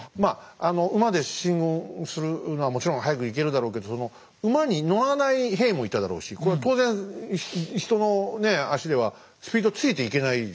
馬で進軍するのはもちろん速く行けるだろうけどその馬に乗らない兵もいただろうしこれは当然人の足ではスピードついていけないじゃないですか。